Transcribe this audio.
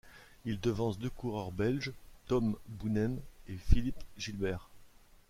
Il devance deux coureurs belges, Tom Boonen et Philippe Gilbert.